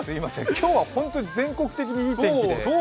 今日は本当に全国的にいい天気で。